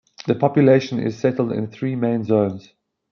The population is settled in three main zones.